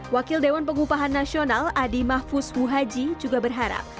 wakil dewan pengupahan nasional adi mahfus wuhaji juga berharap